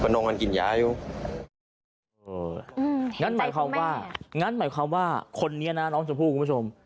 งั้นหมายความว่างั้นหมายความว่าคนนี้นะน้องชมพู่คุณผู้ชม